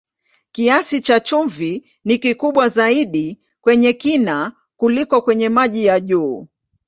Kiasi cha chumvi ni kikubwa zaidi kwenye kina kuliko kwenye maji ya juu.